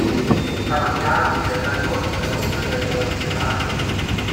Cafodd ei alw yn gynhyrfwr, yn wrthryfelwr, ac yn fradwr.